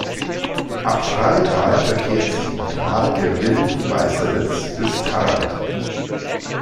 Ab Freital verkehrt sie im Tal der Wilden Weißeritz bis Tharandt.